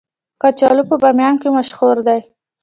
کچالو په بامیان کې مشهور دي